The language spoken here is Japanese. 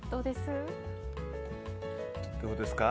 どうですか？